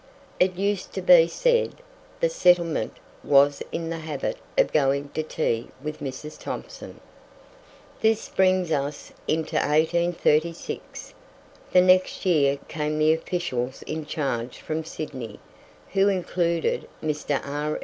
It used to be said that "the settlement" was in the habit of going to tea with Mrs. Thomson. This brings us into 1836. The next year came the officials in charge from Sydney, who included Mr. R.